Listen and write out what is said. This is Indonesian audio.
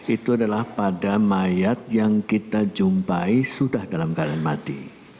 itu adalah pada mayat yang kita jumpai sudah dalam keadaan mati